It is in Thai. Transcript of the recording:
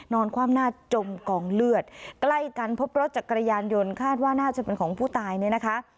ความหน้าจมกองเลือดใกล้กันพบรถจักรยานยนต์คาดว่าน่าจะเป็นของผู้ตายเนี่ยนะคะ